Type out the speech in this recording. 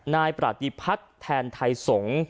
นายประติภัทรแทนไทยสงศ์